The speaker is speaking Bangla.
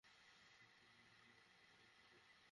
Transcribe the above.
এই নে, লাড্ডু খা।